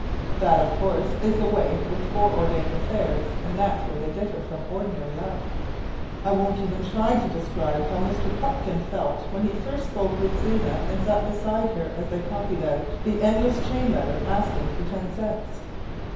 That, of course, is the way with fore ordained affairs and that's where they differ from ordinary love. I won't even try to describe how Mr. Pupkin felt when he first spoke with Zena and sat beside her as they copied out the "endless chain" letter asking for ten cents.